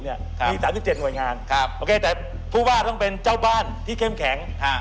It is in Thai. มี๓๗หน่วยงานโอเคแต่ผู้ว่าต้องเป็นเจ้าบ้านที่เข้มแข็ง